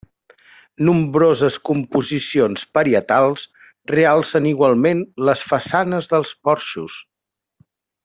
Nombroses composicions parietals realcen igualment les façanes dels porxos.